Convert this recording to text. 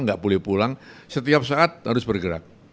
nggak boleh pulang setiap saat harus bergerak